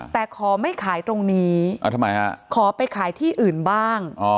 แต่ขอไม่ขายตรงนี้ขอไปขายที่อื่นบ้าง